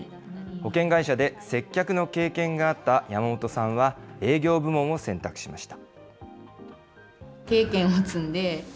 保険会社で接客の経験があった山本さんは、営業部門を選択しました。